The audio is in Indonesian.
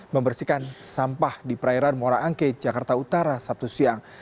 membersihkan sampah di perairan moraangke jakarta utara sabtu siang